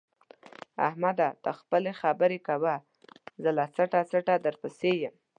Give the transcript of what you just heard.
احمده! ته خپلې خبرې کوه زه له څټه څټه درپسې یم.